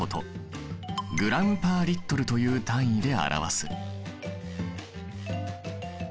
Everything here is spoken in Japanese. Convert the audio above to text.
ｇ／Ｌという単位で表す。